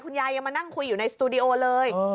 ยายยังมานั่งคุยอยู่ในสตูดิโอเลย